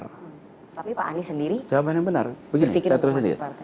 tapi pak anies sendiri berpikir untuk masuk partai